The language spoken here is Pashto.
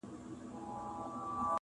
قاتل هم ورسره ژاړي لاس په وینو تر څنګلي-